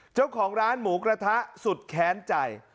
เจ้าของร้านหมูกระทะสุดแค้นใจ